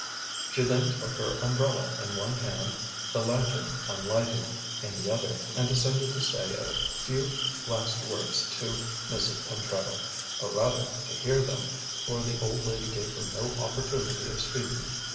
She then took her umbrella in one hand, the lantern, unlighted, in the other, and descended to say a few last words to Mrs. Pentreddle; or, rather, to hear them, for the old lady gave her no opportunity of speaking.